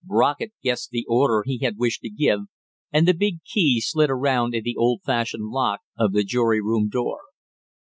Brockett guessed the order he had wished to give, and the big key slid around in the old fashioned lock of the jury room door.